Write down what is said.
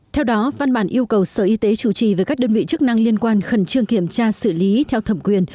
theo đó văn bản yêu cầu sở y tế chủ trì với các đơn vị chức năng liên quan khẩn trương kiểm tra xử lý theo thẩm quyền